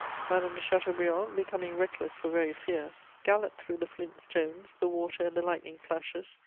Madame de Chateaubriand, becoming reckless for very fear, galloped through the flint stones, the water and the lightning flashes.